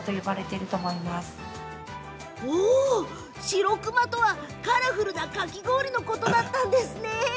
しろくまとは、カラフルなかき氷のことだったんですね！